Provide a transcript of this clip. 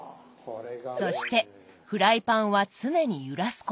そしてフライパンは常に揺らすこと。